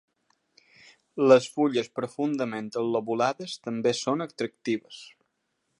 Les fulles profundament lobulades també són atractives.